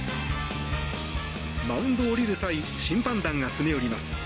マウンドを降りる際審判団が詰め寄ります。